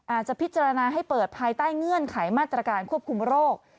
อาจจะพิจารณาให้เปิดภายใต้เงื่อนไขมาตรการควบคุมโรค